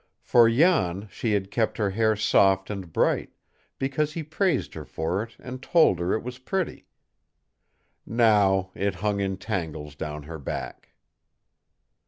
For Jan, she had kept her hair soft and bright, because he praised her for it and told her it was pretty. Now it hung in tangles down her back.